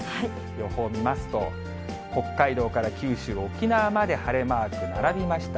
予報見ますと、北海道から九州、沖縄まで晴れマーク並びました。